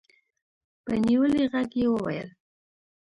په نيولي غږ يې وويل.